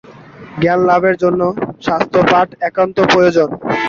জ্ঞানলাভের জন্য শাস্ত্রপাঠ একান্ত প্রয়োজন।